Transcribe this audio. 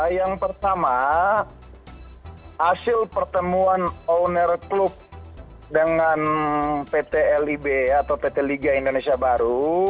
yang pertama hasil pertemuan owner klub dengan pt lib atau pt liga indonesia baru